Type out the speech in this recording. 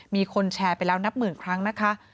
มีคนแชร์ไปแล้วนับหมื่นครั้งนะคะ